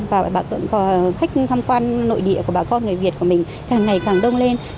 và khách tham quan nội địa của bà con người việt của mình càng ngày càng đông lên